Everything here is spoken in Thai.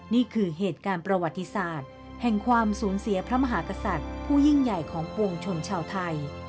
นี่คือเหตุการณ์ประวัติศาสตร์แห่งความสูญเสียพระมหากษัตริย์ผู้ยิ่งใหญ่ของปวงชนชาวไทย